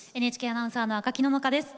ＮＨＫアナウンサーの赤木野々花です。